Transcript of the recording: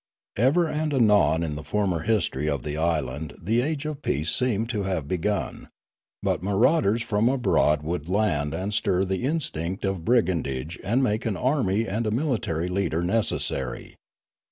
Ever and anon in the former history of the island the age of peace seemed to have begun; but marauders from abroad would land and stir the instinct of brigand age and make an army and a military leader necessary.